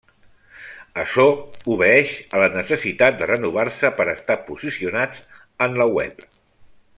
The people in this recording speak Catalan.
Açò obeïx a la necessitat de renovar-se per a estar posicionats en la web.